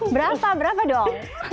berapa berapa dong